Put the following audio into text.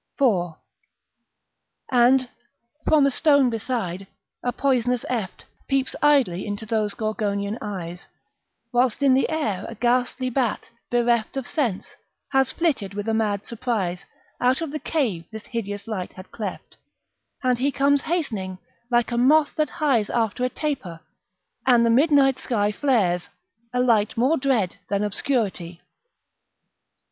IV. And, from a stone beside, a poisonous eft Peeps idly into those Gorgonian eyes; Whilst in the air a ghastly bat, bereft Of sense, has flitted with a mad surprise Out of the cave this hideous light had cleft, And he comes hastening like a moth that hies After a taper; and the midnight sky Flares, a light more dread than obscurity.